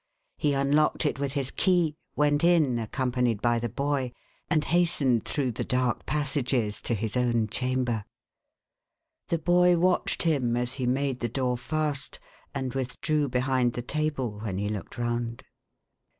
He unlocked it with his key, went in, accom panied by the boy, and hastened through the dark passages to his own chamber. The boy watched him as he made the door fast, and with drew behind the table, when he looked round.